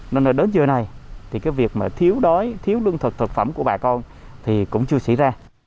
nên là đến giờ này thì cái việc mà thiếu đói thiếu lương thực thực phẩm của bà con thì cũng chưa xảy ra